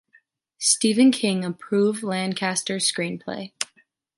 Stephen King approved Lancaster’s screenplay.